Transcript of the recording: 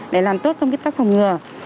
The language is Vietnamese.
để làm tốt công tác phòng ngừa